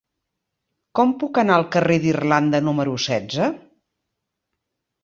Com puc anar al carrer d'Irlanda número setze?